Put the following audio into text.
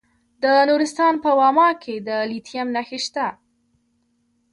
د نورستان په واما کې د لیتیم نښې شته.